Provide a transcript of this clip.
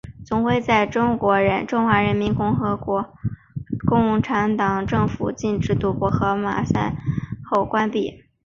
总会在中华人民共和国共产党政府禁止赌博和赛马后关闭。